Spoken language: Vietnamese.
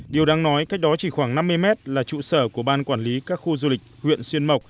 điều đáng nói cách đó chỉ khoảng năm mươi mét là trụ sở của ban quản lý các khu du lịch huyện xuyên mộc